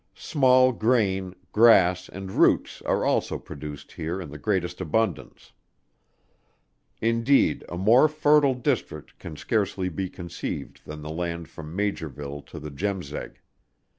Small grain, grass, and roots are also produced here in the greatest abundance. Indeed a more fertile district can scarcely be conceived than the land from Maugerville to the Jemseg.